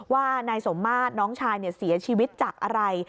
ว่านายสมมาตรน้องชายเสียชีวิตจากอะไร